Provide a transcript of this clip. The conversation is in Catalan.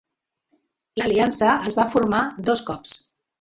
L'Aliança es va formar dos cops.